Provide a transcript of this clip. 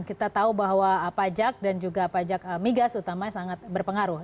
kita tahu bahwa pajak dan juga pajak migas utamanya sangat berpengaruh